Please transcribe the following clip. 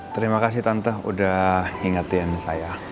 terima kasih tante udah ingetin saya